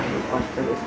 そうです。